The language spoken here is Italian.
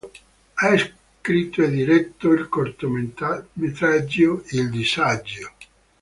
Ha scritto e diretto il cortometraggio "Il disagio".